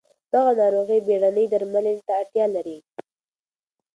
دغه ناروغي بېړنۍ درملنې ته اړتیا لري.